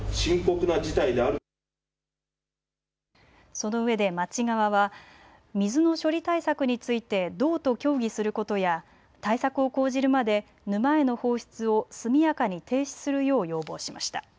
そのうえで町側は水の処理対策について道と協議することや対策を講じるまで沼への放出を速やかに停止するよう要望しました。